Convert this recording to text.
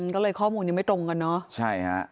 ตลอดข้อมูลยังไม่ตรงกันนะ